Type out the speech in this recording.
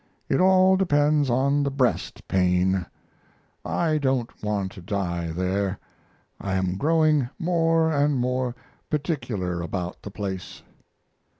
It all depends on the breast pain. I don't want to die there. I am growing more and more particular about the place.